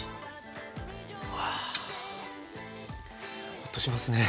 ホッとしますね。